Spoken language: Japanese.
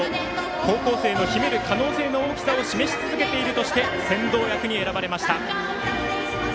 高校生の秘める可能性の大きさを示し続けているとして先導役に選ばれました。